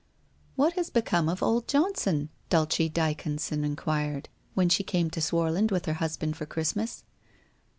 ' What has become of old Johnson ?' Dulce Dyconson enquired, when she came to Swarland with her husband for Christmas.